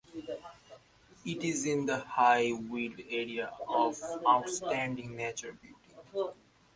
It is in the High Weald Area of Outstanding Natural Beauty.